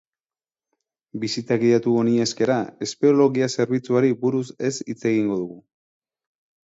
Bisita gidatu honi eskera, espeleologia zerbitzuari buruz ez hitz egingo dugu.